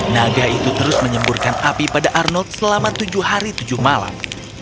naga itu terus menyemburkan api pada arnold selama tujuh hari tujuh malam